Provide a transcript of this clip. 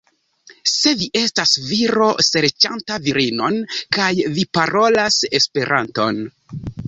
Se vi estas viro serĉanta virinon, kaj vi parolas Esperanton.